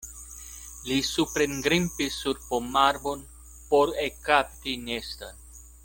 Li suprengrimpis sur pomarbon por ekkapti neston.